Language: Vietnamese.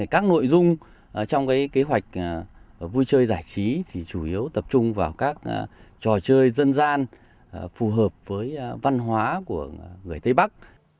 các nội dung trong kế hoạch vui chơi giải trí thì chủ yếu tập trung vào các trò chơi dân gian phù hợp với văn hóa của người tây bắc